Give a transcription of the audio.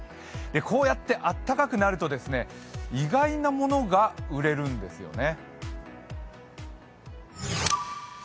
こうやって暖かくなると意外なものが売れるんですよね。